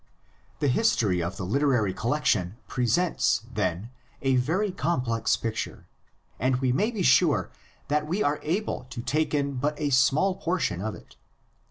The history of the literary collection presents, then, a very complex picture, and we may be sure that we are able to take in but a small portion of it.